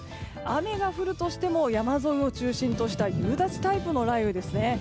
雨が降るとしても山沿いを中心とした夕立タイプの雷雨ですね。